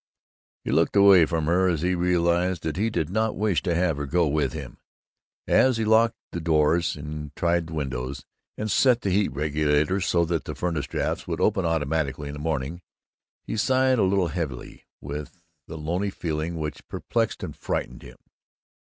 He looked away from her as he realized that he did not wish to have her go with him. As he locked doors and tried windows and set the heat regulator so that the furnace drafts would open automatically in the morning, he sighed a little, heavy with a lonely feeling which perplexed and frightened him.